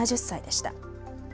７０歳でした。